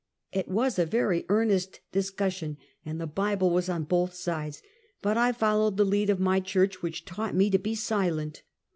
It was a very earnest discussion, and the Bible was on both sides; but I folio vv'ed the lead of my church, which taught me to be silent.